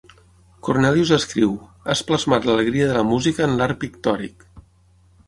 Cornelius escriu: "Has plasmat l'alegria de la música en l'art pictòric".